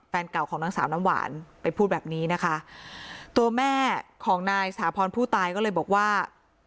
แฟนเก่าของนางสาวน้ำหวานไปพูดแบบนี้นะคะตัวแม่ของนายสถาพรผู้ตายก็เลยบอกว่า